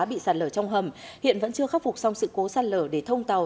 bị sạt lở trong hầm hiện vẫn chưa khắc phục xong sự cố sạt lở để thông tàu